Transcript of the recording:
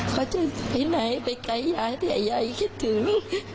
เขาจะไปไหนไปไกลยายแต่ยายคิดถึง